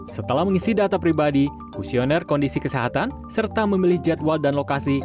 setelah mengisi data pribadi kusioner kondisi kesehatan serta memilih jadwal dan lokasi